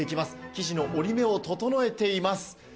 生地の折り目を整えています。